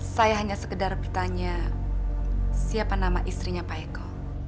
saya hanya sekedar bertanya siapa nama istrinya pak eko